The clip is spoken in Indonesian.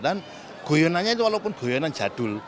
dan goyonannya itu walaupun goyonan jadul